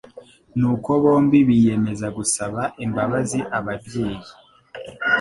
nuko bombi biyemeza gusaba imbabazi ababyeyi,